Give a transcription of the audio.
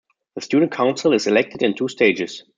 The Student Council is elected in two stages.